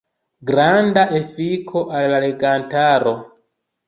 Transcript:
Granda efiko al la legantaro.